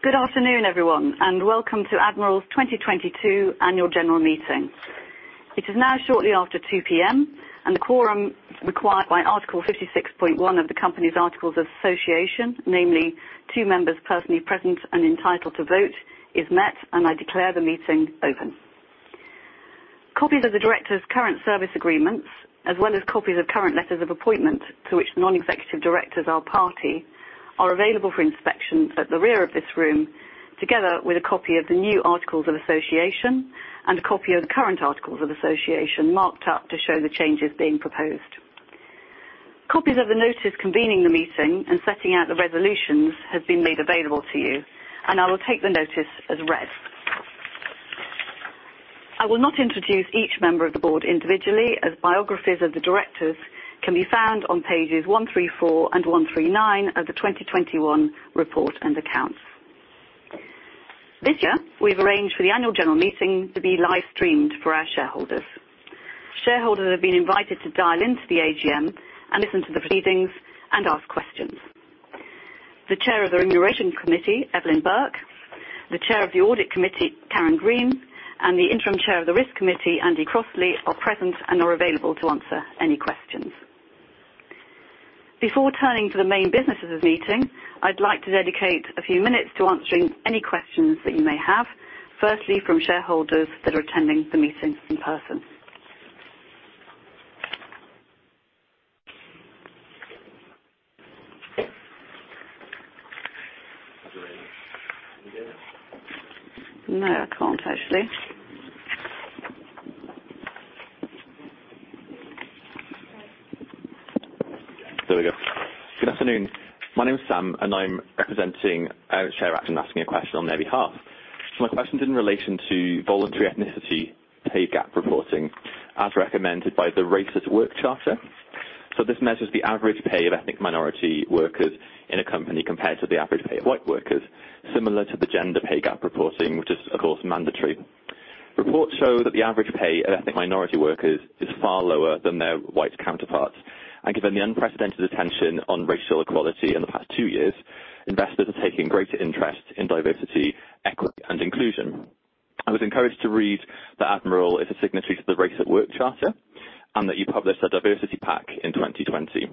Good afternoon, everyone, and welcome to Admiral's 2022 Annual General Meeting. It is now shortly after 2 P.M., and the quorum required by Article 56.1 of the company's Articles of Association, namely two members personally present and entitled to vote, is met, and I declare the meeting open. Copies of the directors' current service agreements, as well as copies of current letters of appointment to which non-executive directors are party, are available for inspection at the rear of this room, together with a copy of the new Articles of Association and a copy of the current Articles of Association marked up to show the changes being proposed. Copies of the notice convening the meeting and setting out the resolutions have been made available to you, and I will take the notice as read. I will not introduce each member of the board individually as biographies of the directors can be found on pages 134 and 139 of the 2021 report and accounts. This year, we've arranged for the annual general meeting to be live-streamed for our shareholders. Shareholders have been invited to dial into the AGM and listen to the proceedings and ask questions. The Chair of the Remuneration Committee, Evelyn Bourke, the Chair of the Audit Committee, Karen Green, and the Interim Chair of the Risk Committee, Andy Crossley, are present and are available to answer any questions. Before turning to the main business of this meeting, I'd like to dedicate a few minutes to answering any questions that you may have. Firstly, from shareholders that are attending the meeting in person. No, I can't actually. There we go. Good afternoon. My name is Sam, and I'm representing ShareAction, asking a question on their behalf. My question is in relation to voluntary ethnicity pay gap reporting as recommended by the Race at Work Charter. This measures the average pay of ethnic minority workers in a company compared to the average pay of white workers, similar to the gender pay gap reporting, which is, of course, mandatory. Reports show that the average pay of ethnic minority workers is far lower than their white counterparts. Given the unprecedented attention on racial equality in the past two years, investors are taking greater interest in diversity, equity, and inclusion. I was encouraged to read that Admiral is a signatory to the Race at Work Charter and that you published a diversity pack in 2020.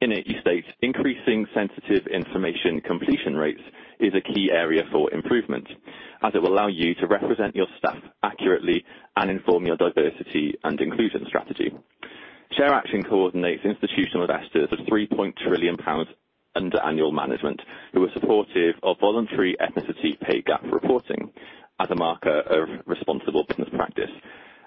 In it, you state increasing sensitive information completion rates is a key area for improvement, as it will allow you to represent your staff accurately and inform your diversity and inclusion strategy. ShareAction coordinates institutional investors of GBP 3 trillion under management who are supportive of voluntary ethnicity pay gap reporting as a marker of responsible business practice.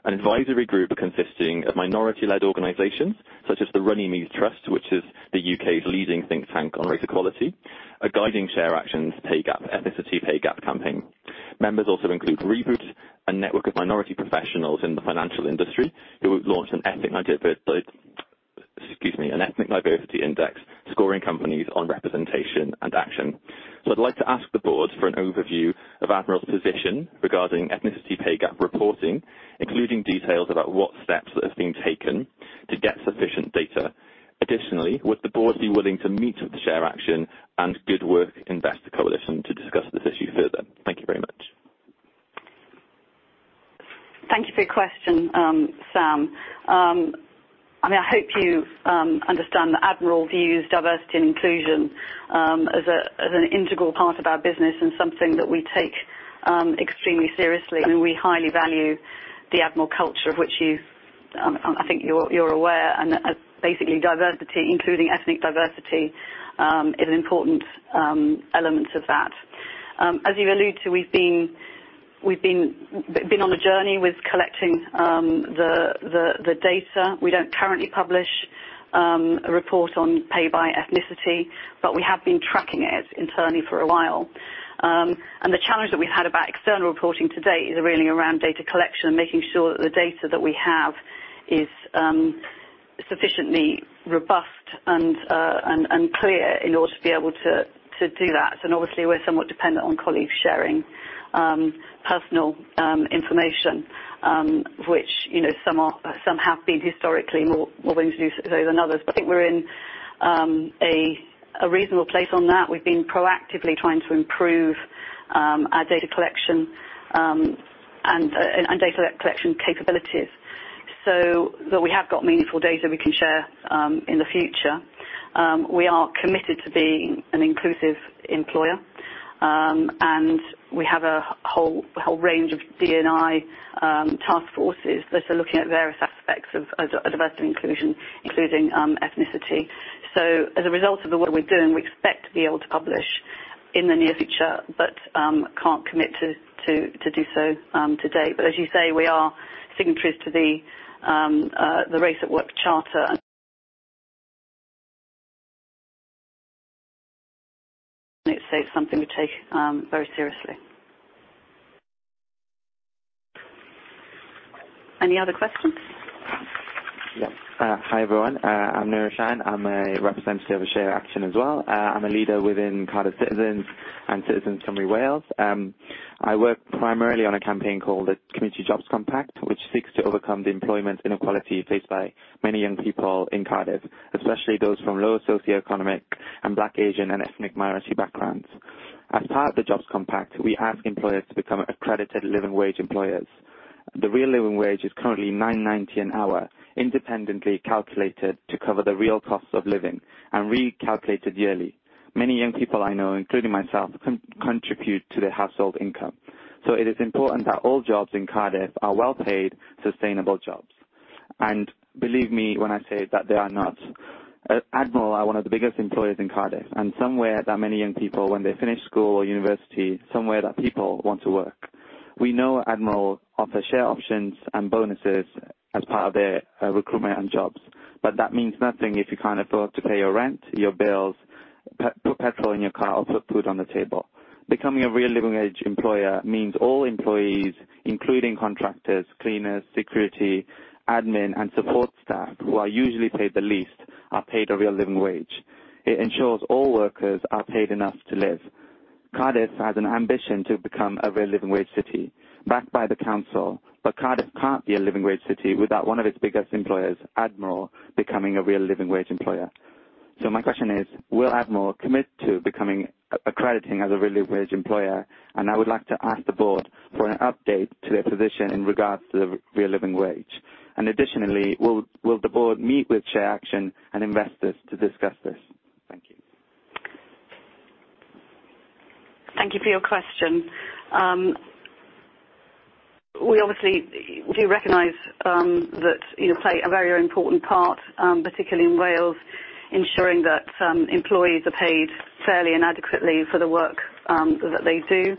An advisory group consisting of minority-led organizations such as the Runnymede Trust, which is the U.K.'s leading think tank on race equality, are guiding ShareAction's ethnicity pay gap campaign. Members also include Reboot, a network of minority professionals in the financial industry who have launched, excuse me, an ethnic diversity index scoring companies on representation and action. I'd like to ask the board for an overview of Admiral's position regarding ethnicity pay gap reporting, including details about what steps are being taken to get sufficient data. Additionally, would the board be willing to meet with ShareAction and Good Work Coalition to discuss this issue further? Thank you very much. Thank you for your question, Sam. I mean, I hope you understand that Admiral views diversity and inclusion as an integral part of our business and something that we take extremely seriously. I mean, we highly value the Admiral culture, of which you, I think you're aware, and basically diversity, including ethnic diversity, is an important element of that. As you allude to, we've been on a journey with collecting the data. We don't currently publish a report on pay by ethnicity, but we have been tracking it internally for a while. The challenge that we've had about external reporting to date is really around data collection and making sure that the data that we have is sufficiently robust and clear in order to be able to do that. Obviously, we're somewhat dependent on colleagues sharing personal information, which you know some are some have been historically more willing to do so than others. I think we're in a reasonable place on that. We've been proactively trying to improve our data collection and data collection capabilities so that we have got meaningful data we can share in the future. We are committed to being an inclusive employer, and we have a whole range of D&I task forces that are looking at various aspects of diversity and inclusion, including ethnicity. As a result of the work we're doing, we expect to be able to publish in the near future but can't commit to do so to date. As you say, we are signatories to the Race at Work Charter. It's something we take very seriously. Any other questions? Yeah. Hi, everyone. I'm Nur Shain. I'm a representative of ShareAction as well. I'm a leader within Cardiff Citizens and citizens from Wales. I work primarily on a campaign called the Community Jobs Compact, which seeks to overcome the employment inequality faced by many young people in Cardiff, especially those from lower socioeconomic and Black, Asian, and ethnic minority backgrounds. As part of the jobs compact, we ask employers to become accredited living wage employers. The real living wage is currently 9.90 an hour, independently calculated to cover the real costs of living and recalculated yearly. Many young people I know, including myself, contribute to their household income. It is important that all jobs in Cardiff are well-paid, sustainable jobs. Believe me when I say that they are not. Admiral are one of the biggest employers in Cardiff, and somewhere that many young people, when they finish school or university, somewhere that people want to work. We know Admiral offer share options and bonuses as part of their recruitment and jobs, but that means nothing if you can't afford to pay your rent, your bills, put petrol in your car or put food on the table. Becoming a real living wage employer means all employees, including contractors, cleaners, security, admin, and support staff, who are usually paid the least, are paid a real living wage. It ensures all workers are paid enough to live. Cardiff has an ambition to become a real living wage city, backed by the council, but Cardiff can't be a living wage city without one of its biggest employers, Admiral, becoming a real living wage employer. My question is, will Admiral commit to becoming accredited as a real Living Wage employer? I would like to ask the board for an update to their position in regards to the real Living Wage. Will the board meet with ShareAction and investors to discuss this? Thank you. Thank you for your question. We obviously do recognize that you know play a very important part particularly in Wales ensuring that employees are paid fairly and adequately for the work that they do.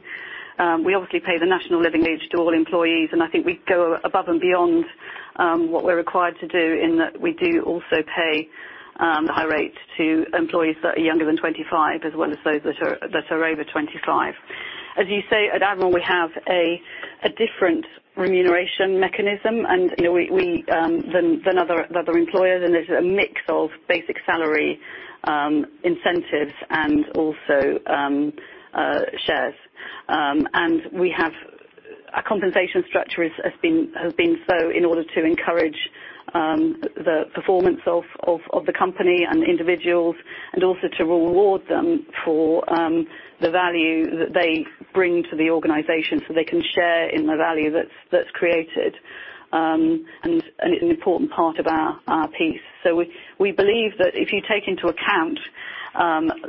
We obviously pay the National Living Wage to all employees, and I think we go above and beyond what we're required to do in that we do also pay the high rate to employees that are younger than 25 as well as those that are over 25. As you say, at Admiral, we have a different remuneration mechanism, and you know we than other employers, and there's a mix of basic salary, incentives and also shares. We have Our compensation structure has been so in order to encourage the performance of the company and individuals and also to reward them for the value that they bring to the organization so they can share in the value that's created, and it's an important part of our pay. We believe that if you take into account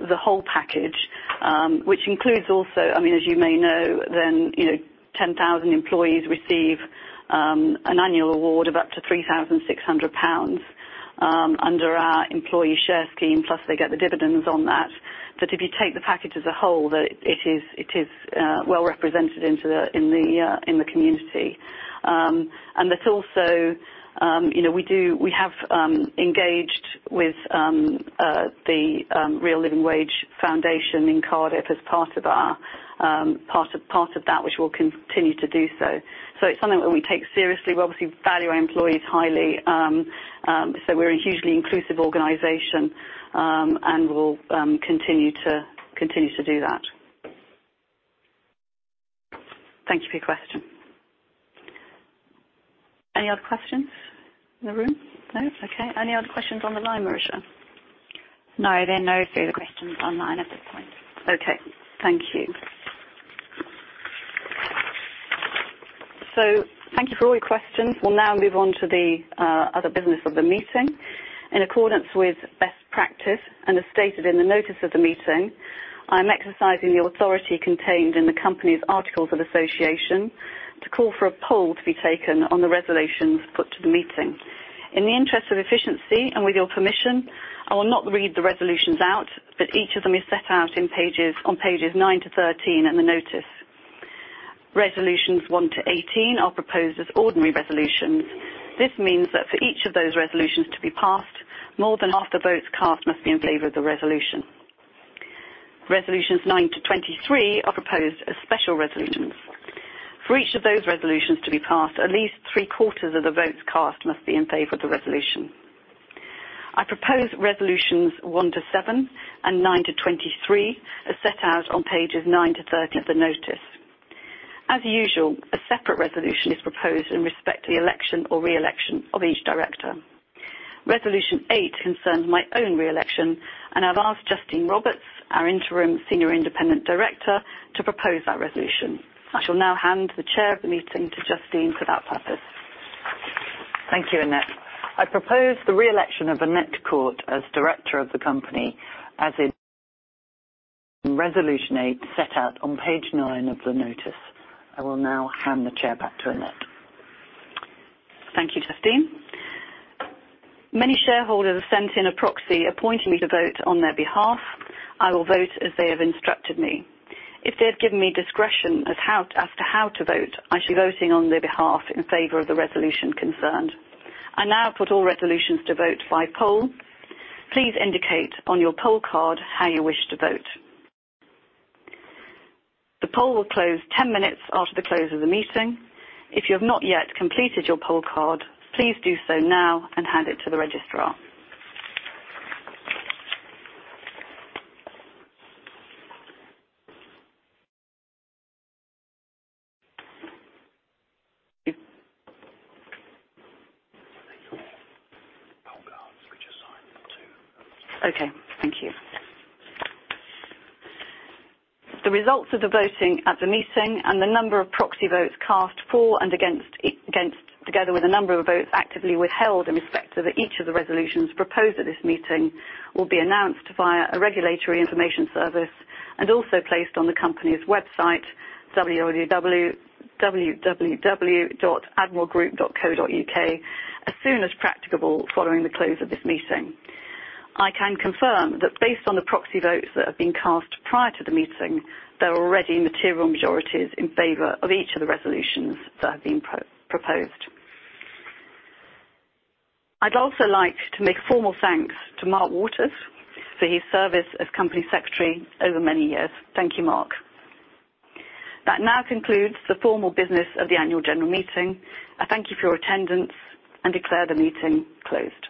the whole package, which includes also, I mean, as you may know, then, you know, 10,000 employees receive an annual award of up to 3,600 pounds under our employee share scheme, plus they get the dividends on that. If you take the package as a whole, that it is well represented in the community. That's also, you know, we have engaged with the Living Wage Foundation in Cardiff as part of that, which we'll continue to do so. It's something that we take seriously. We obviously value our employees highly, so we're a hugely inclusive organization, and we'll continue to do that. Thank you for your question. Any other questions in the room? No? Okay. Any other questions on the line, Marisha? No, there are no further questions online at this point. Okay. Thank you. Thank you for all your questions. We'll now move on to the other business of the meeting. In accordance with best practice and as stated in the notice of the meeting, I'm exercising the authority contained in the company's articles of association to call for a poll to be taken on the resolutions put to the meeting. In the interest of efficiency, and with your permission, I will not read the resolutions out, but each of them is set out in pages, on pages nine-13 in the notice. Resolutions one-18 are proposed as ordinary resolutions. This means that for each of those resolutions to be passed, more than half the votes cast must be in favor of the resolution. Resolutions nine-23 are proposed as special resolutions. For each of those resolutions to be passed, at least three-quarters of the votes cast must be in favor of the resolution. I propose resolutions one-seven and nine-23 as set out on pages nine-13 of the notice. As usual, a separate resolution is proposed in respect to the election or reelection of each director. Resolution eight concerns my own reelection, and I've asked Justine Roberts, our interim senior independent director, to propose that resolution. I shall now hand the chair of the meeting to Justine for that purpose. Thank you, Annette. I propose the reelection of Annette Court as director of the company, as in Resolution eight, set out on page nine of the notice. I will now hand the chair back to Annette. Thank you, Justine. Many shareholders sent in a proxy appointing me to vote on their behalf. I will vote as they have instructed me. If they have given me discretion as to how to vote, I shall be voting on their behalf in favor of the resolution concerned. I now put all resolutions to vote by poll. Please indicate on your poll card how you wish to vote. The poll will close 10 minutes after the close of the meeting. If you have not yet completed your poll card, please do so now and hand it to the registrar. Okay. Thank you. The results of the voting at the meeting and the number of proxy votes cast for and against, together with the number of votes actively withheld in respect of each of the resolutions proposed at this meeting, will be announced via a regulatory information service and also placed on the company's website, www.admiralgroup.co.uk, as soon as practicable following the close of this meeting. I can confirm that based on the proxy votes that have been cast prior to the meeting, there are already material majorities in favor of each of the resolutions that have been proposed. I'd also like to make formal thanks to Mark Waters for his service as company secretary over many years. Thank you, Mark. That now concludes the formal business of the annual general meeting. I thank you for your attendance and declare the meeting closed.